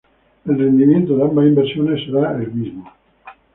El rendimiento de ambas inversiones será el mismo.